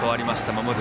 守る